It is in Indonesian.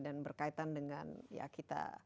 dan berkaitan dengan ya kita